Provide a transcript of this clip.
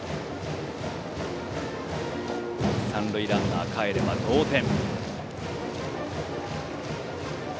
三塁ランナーかえれば同点。